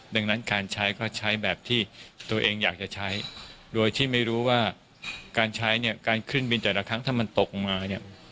ดังนั้นการใช้ก็ใช้แบบที่ตัวเองอยากจะใช้โดยที่ไม่รู้ว่าการใช้เนี่ยการขึ้นบินแต่ละครั้งถ้ามันตกมาเนี่ย